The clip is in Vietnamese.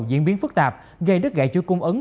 diễn biến phức tạp gây đứt gãy chuỗi cung ứng